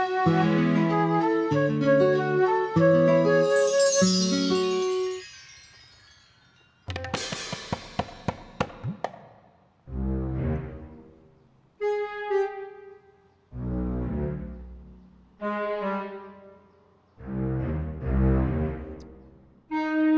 ma tadi ke teras